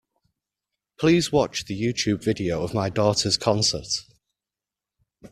Please watch the Youtube video of my daughter's concert